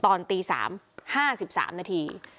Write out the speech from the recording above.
ตอนตี๓๕๓นาที